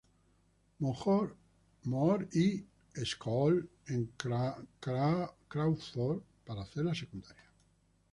Moor High School en Crawford, para hacer la secundaria.